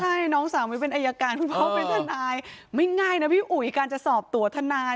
ใช่น้องสาวไม่เป็นอายการคุณพ่อเป็นทนายไม่ง่ายนะพี่อุ๋ยการจะสอบตัวทนาย